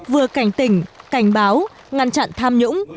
vừa cảnh tỉnh cảnh báo ngăn chặn tham nhũng